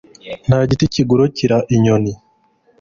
nta giti kigurukira inyoni